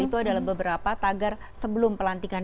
itu adalah beberapa tagar sebelum pelantikan